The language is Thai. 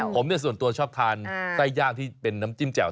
ผมส่วนตัวชอบทานไส้ย่างที่เป็นน้ำจิ้มแจ่ว